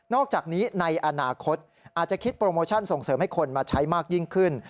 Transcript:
อกจากนี้ในอนาคตอาจจะคิดโปรโมชั่นส่งเสริมให้คนมาใช้มากยิ่งขึ้น